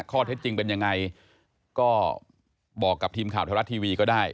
ข้อเท็จจริงเป็นยังไงก็บอกกับทีมข่าวไทยรัฐทีวีก็ได้